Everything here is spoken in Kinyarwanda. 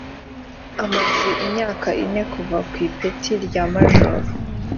amaze imyaka ine kuva ku ipeti rya Majoro